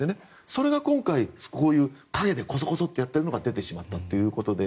それが今回、こういう陰でこそこそっとやっているのが出てしまったということで。